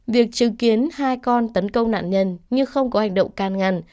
việc chứng kiến hai con tấn công nạn nhân nhưng không có hành động can ngăn